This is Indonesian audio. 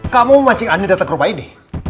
kamu memancing andien datang ke rumah ini